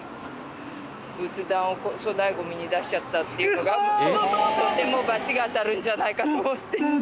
仏壇を粗大ゴミに出しちゃったっていうのがとてもバチが当たるんじゃないかと思って。